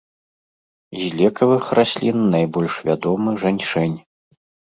З лекавых раслін найбольш вядомы жэньшэнь.